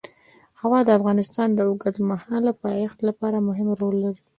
هوا د افغانستان د اوږدمهاله پایښت لپاره مهم رول لري.